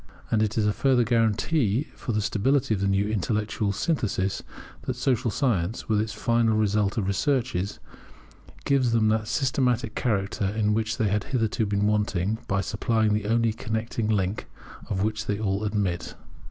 And it is a further guarantee for the stability of the new intellectual synthesis that Social science, which is the final result of our researches, gives them that systematic character in which they had hitherto been wanting, by supplying the only connecting link of which they all admit.